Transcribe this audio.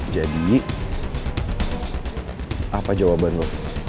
jadi apa jawaban lo